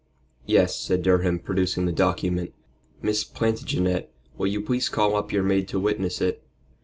"Yes," said Durham, producing the document. "Miss Plantagenet, will you please call up your maid to witness it?"